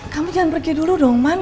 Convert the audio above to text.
kami jangan pergi dulu dong man